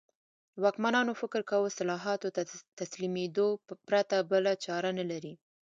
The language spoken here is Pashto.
واکمنانو فکر کاوه اصلاحاتو ته تسلیمېدو پرته بله چاره نه لري.